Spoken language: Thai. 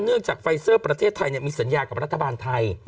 จากไฟเซอร์ประเทศไทยมีสัญญากับรัฐบาลไทย